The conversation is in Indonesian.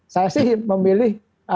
saya sih memilih